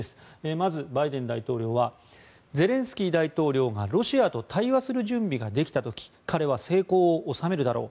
まずバイデン大統領はゼレンスキー大統領がロシアと対話する準備ができた時彼は成功を収めるだろう。